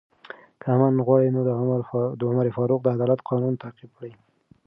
که امن غواړئ، نو د عمر فاروق د عدالت قانون تعقیب کړئ.